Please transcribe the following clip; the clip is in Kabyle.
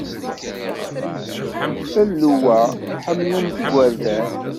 Ilew-a ḥemmlen-t igerdan.